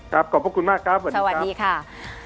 ขอบพระคุณมากครับสวัสดีค่ะ